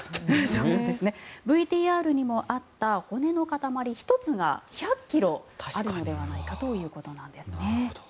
ＶＴＲにもあった骨の塊１つが１００ｋｇあるのではないかということなんです。